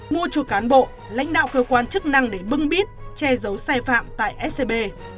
mua chuột cán bộ lãnh đạo cơ quan chức năng để bưng bít che giấu xe phạm tại scb